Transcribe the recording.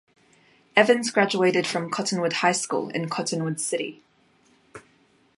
Evans graduated from Cottonwood High School in Cottonwood City.